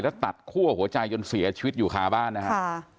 แล้วตัดคั่วหัวใจจนเสียชีวิตอยู่คาบ้านนะครับ